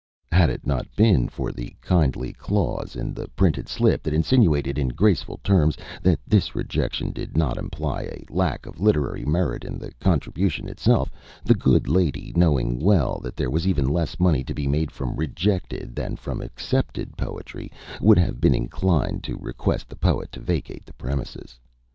Had it not been for the kindly clause in the printed slip that insinuated in graceful terms that this rejection did not imply a lack of literary merit in the contribution itself, the good lady, knowing well that there was even less money to be made from rejected than from accepted poetry, would have been inclined to request the poet to vacate the premises.